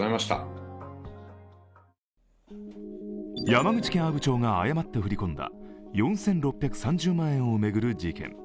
山口県阿武町が誤って振り込んだ４６３０万円を巡る事件。